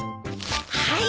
はい。